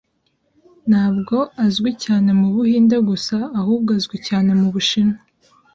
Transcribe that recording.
Ntabwo azwi cyane mu Buhinde gusa, ahubwo azwi cyane mu Bushinwa.